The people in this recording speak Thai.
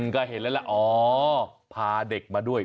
ก็เห็นแล้วพาเด็กมาด้วย